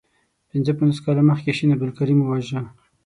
پنځه پنځوس کاله مخکي شین عبدالکریم وواژه.